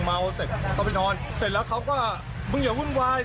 เมาเสร็จก็ไปนอนเสร็จแล้วเขาก็มึงอย่าวุ่นวาย